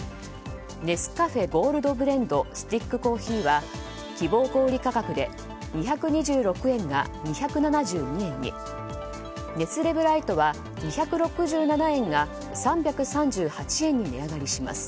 ネスカフェゴールドブレンドスティックコーヒーは希望小売価格で２２６円が２７２円にネスレブライトは２６７円が３３８円に値上がりします。